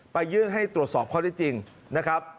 ยื่นให้ตรวจสอบข้อได้จริงนะครับ